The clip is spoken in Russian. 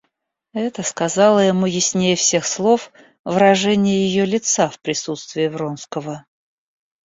Это сказало ему яснее всех слов выражение ее лица в присутствии Вронского.